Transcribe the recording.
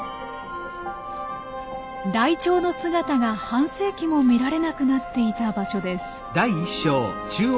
ライチョウの姿が半世紀も見られなくなっていた場所です。